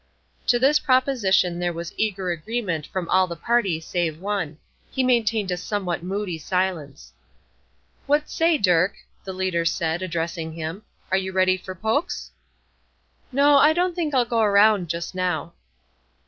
To this proposition there was eager agreement from all the party save one; he maintained a somewhat moody silence. "What say, Dirk?" the leader asked, addressing him; "are you ready for Poke's?" "No; I don't think I'll go around, just now."